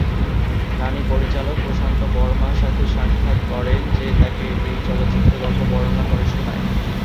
নানি পরিচালক প্রশান্ত বর্মা সাথে সাক্ষাৎ করেন, যে তাকে এই চলচ্চিত্রের গল্প বর্ণনা করে শুনায়।